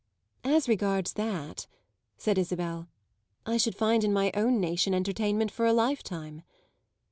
"As regards that," said Isabel, "I should find in my own nation entertainment for a lifetime.